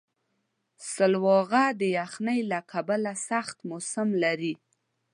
سلواغه د یخنۍ له کبله سخت موسم لري.